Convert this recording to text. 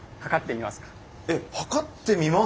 え測ってみますわ。